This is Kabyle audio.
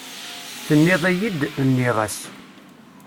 Tenniḍ-iyi-d, nniɣ-as.